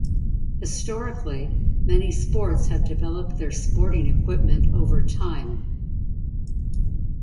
Historically many sports have developed their sporting equipment over time.